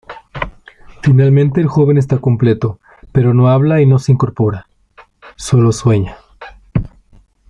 Finalmente el joven está completo, pero no habla y no se incorpora; solo sueña.